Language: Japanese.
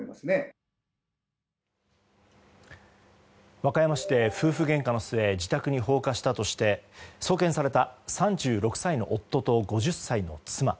和歌山市で夫婦げんかの末自宅に放火したとして送検された３６歳の夫と５０歳の妻。